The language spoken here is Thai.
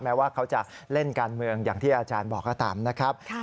ว่าเขาจะเล่นการเมืองอย่างที่อาจารย์บอกก็ตามนะครับ